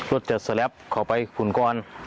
รถจะสแลปเข้าไปขุนก้อน